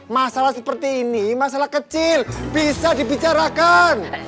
masalah seperti ini masalah kecil bisa dibicarakan